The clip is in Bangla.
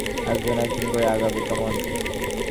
একজন একজন করে আগাবে, কেমন?